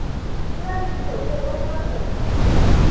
中共第十九届中央委员。